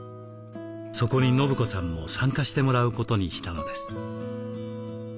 そこに伸子さんも参加してもらうことにしたのです。